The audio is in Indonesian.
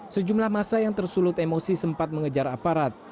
sejumlah masa yang tersulut emosi sempat mengejar aparat